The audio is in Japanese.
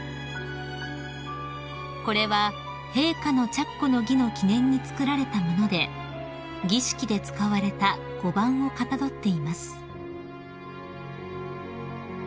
［これは陛下の着袴の儀の記念に作られた物で儀式で使われた碁盤をかたどっています］